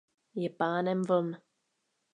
Je pánem vln.